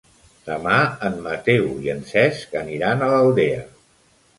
Demà en Mateu i en Cesc aniran a l'Aldea.